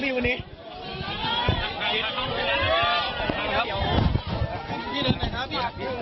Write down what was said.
ทุกเรือของทุกคน